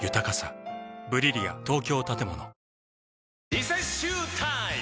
リセッシュータイム！